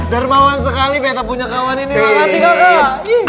darmawan sekali betta punya kawan ini makasih kakak